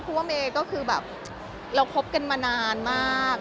เพราะว่าเมย์ก็คือแบบเราคบกันมานานมาก